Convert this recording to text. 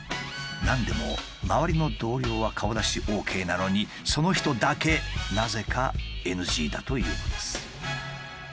何でも周りの同僚は顔出しＯＫなのにその人だけなぜかＮＧだというのです。